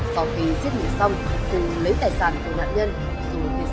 sau khi giết mình xong hưng lấy tài sản của nạn nhân hưng sẽ lấy mọi chỗ